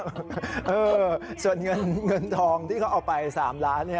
เออส่วนเงินทองที่เขาเอาไป๓ล้าน